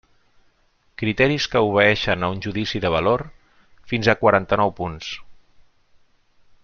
Criteris que obeeixen a un judici de valor: fins a quaranta-nou punts.